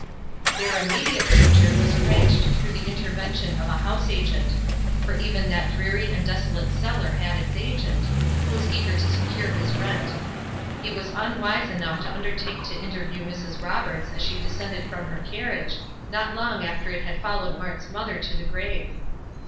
Their immediate future was arranged through the intervention of a house agent; for even that dreary and desolate cellar had its agent, who was eager to secure his rent. He was unwise enough to undertake to interview Mrs. Roberts as she descended from her carriage, not long after it had followed Mart's mother to the grave.